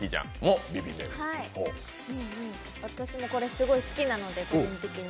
私もこれすごい好きなので、個人的に。